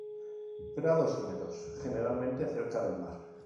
Prados húmedos, generalmente cerca del mar.